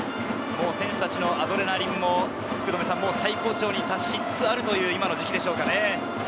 選手たちのアドレナリンも最高潮に達しつつあるという今の時期でしょうか？